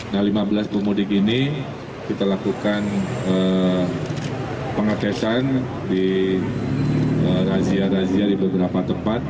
nah lima belas pemudik ini kita lakukan pengetesan di razia razia di beberapa tempat